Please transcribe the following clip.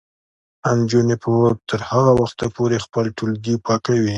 نجونې به تر هغه وخته پورې خپل ټولګي پاکوي.